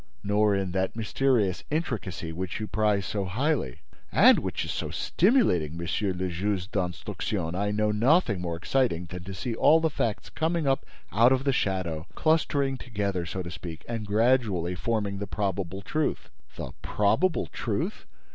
"Nor in that mysterious intricacy which you prize so highly—" "And which is so stimulating, Monsieur le Juge d'Instruction! I know nothing more exciting than to see all the facts coming up out of the shadow, clustering together, so to speak, and gradually forming the probable truth." "The probable truth!